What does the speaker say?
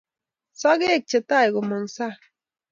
Sagek che tai komong sang.